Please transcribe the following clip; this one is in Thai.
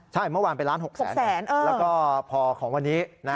ใช่เมื่อวานเป็นล้าน๖แสนแล้วก็พอของวันนี้